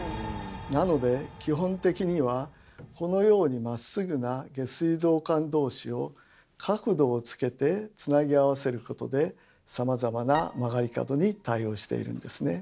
なので基本的にはこのようにまっすぐな下水道管同士を角度をつけてつなぎ合わせることでさまざまな曲がり角に対応しているんですね。